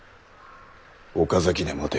岡崎で待て。